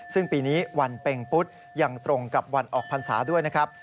ซึ่งปีนี้วันเป็งปุ๊ดยังตรงกับวันออกพรรษาด้วยนะครับ